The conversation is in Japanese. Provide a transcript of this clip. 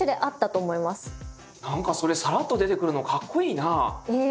何かそれさらっと出てくるのかっこいいな。